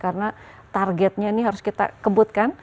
karena targetnya ini harus kita kebutkan